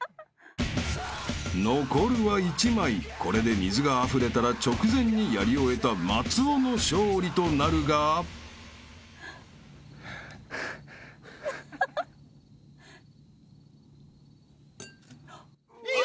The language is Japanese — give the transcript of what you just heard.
［残るは１枚これで水があふれたら直前にやり終えた松尾の勝利となるが］よっしゃ！